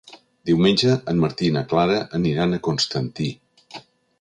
Diumenge en Martí i na Clara aniran a Constantí.